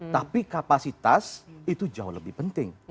tapi kapasitas itu jauh lebih penting